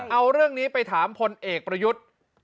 เอาเรื่องนี้ไปถามพลเอกประยุทธ์